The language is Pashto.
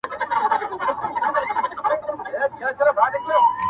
ډلي ډلي به مخلوق ورته راتلله!!